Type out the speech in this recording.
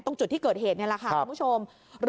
ตรงจุดที่เกิดเหตุนี่แหละค่ะคุณผู้ชม